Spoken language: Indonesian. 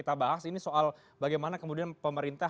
ini soal bagaimana kemudian pemerintah